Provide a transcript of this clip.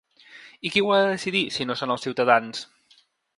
I qui ho ha de decidir, si no són els ciutadans?